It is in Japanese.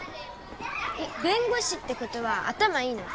えっ弁護士ってことは頭いいの？